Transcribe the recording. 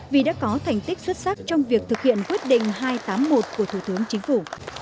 vì đã có thành tích xuất sắc trong việc thực hiện quyết định hai trăm tám mươi một của thủ tướng chính phủ